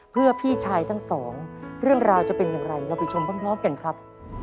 เพื่อพี่ชายทั้งสองเรื่องราวจะเป็นอย่างไรเราไปชมพร้อมกันครับ